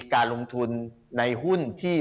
การลงทุนในหุ้นที่